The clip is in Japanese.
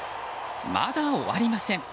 まだ終わりません。